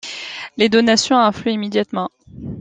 Les donations affluent immédiatement.